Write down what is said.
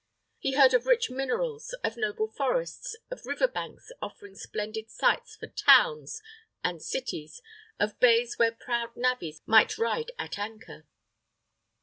He heard of rich minerals, of noble forests, of river banks offering splendid sites for towns and cities, of bays where proud navies might ride at anchor.